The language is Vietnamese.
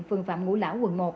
phường phạm ngũ lão quận một